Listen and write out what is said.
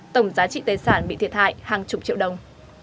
tổng giá trị tài sản bị thiệt hại hàng chục triệu đồng